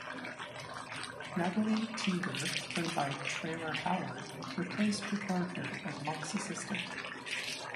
Natalie Teeger, played by Traylor Howard, replaced her character as Monk's assistant.